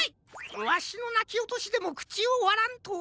わしのなきおとしでもくちをわらんとは。